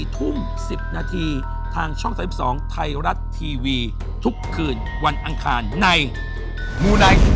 ๔ทุ่ม๑๐นาทีทางช่อง๓๒ไทยรัฐทีวีทุกคืนวันอังคารในมูไนท์